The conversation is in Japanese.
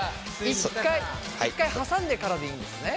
一回はさんでからでいいんですね？